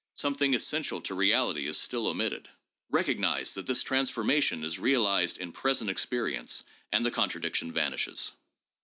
Some thing essential to reality is still omitted. Recognize that this transformation is realized in present experi ence, and the contradiction vanishes.